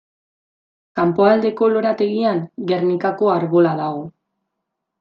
Kanpoaldeko lorategian Gernikako Arbola dago.